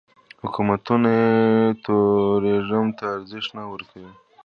حکومتونه یې ټوریزم ته ارزښت نه ورکوي.